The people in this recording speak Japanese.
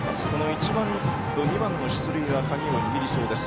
１番と２番の出塁が鍵を握りそうです。